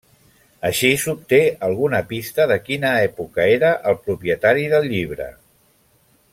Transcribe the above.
Així, s'obté alguna pista de quina època era el propietari del llibre.